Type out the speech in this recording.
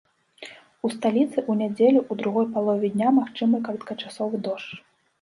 У сталіцы ў нядзелю ў другой палове дня магчымы кароткачасовы дождж.